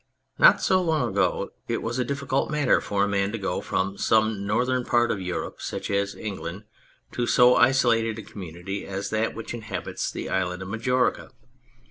Not so long ago it was a difficult matter for a man to go from some Northern part of Europe, such as England, to so isolated a community as that which inhabits the Island of Majorca.